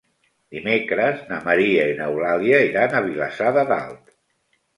Dimecres na Maria i n'Eulàlia iran a Vilassar de Dalt.